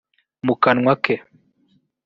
mu kanwa ke